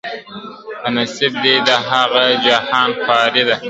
په نصیب دي د هغه جهان خواري ده !.